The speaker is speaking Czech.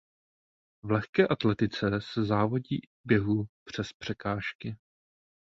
V lehké atletice se závodí i v běhu přes překážky.